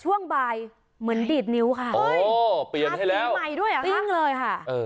ช่วงบ่ายเหมือนดิดนิ้วค่ะโอ้โหเปลี่ยนให้แล้วติ๊งใหม่ด้วยอ่ะค่ะติ๊งเลยค่ะ